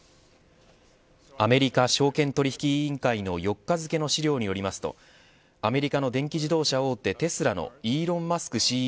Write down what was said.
アメリカ証券取引委員会の４日付の資料によりますとアメリカの電気自動車大手テスラのイーロン・マスク